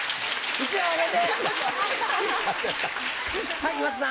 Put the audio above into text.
１枚あげて！